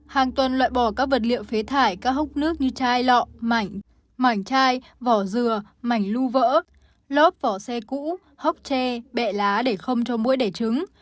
hàng tuần loại bỏ các vật liệu phế thải các hốc nước như chai lọ mảnh chai vỏ dừa mảnh lưu vỡ lốp vỏ xe cũ hốc tre bẹ lá để không cho mũi đẻ trứng